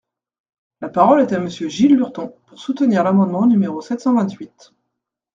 La parole est à Monsieur Gilles Lurton, pour soutenir l’amendement numéro sept cent vingt-huit.